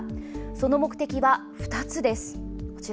その目的は２つです。